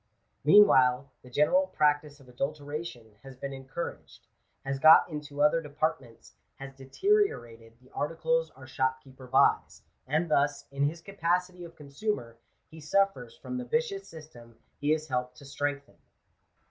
Meanwhile the general practice of adulteration has been en couraged — has got into other departments — has deteriorated the articles our shopkeeper buys ; and thus, in his capacity of Digitized by VjOOQIC 446 GENERAL CONSIDERATIONS. consumer, he suffers from the vicious system he has helped to strengthen.